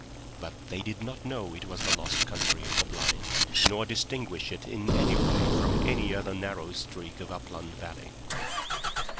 But they did not know it was the lost Country of the Blind, nor distinguish it in any way from any other narrow streak of upland valley.